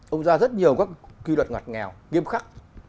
ông ra rất nhiều các quy luật ngọt ngào nghiêm khắc